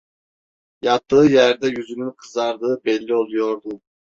Yattığı yerde yüzünün kızardığı belli oluyordu.